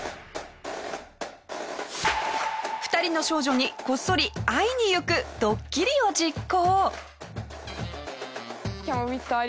２人の少女にこっそり会いに行くドッキリを実行。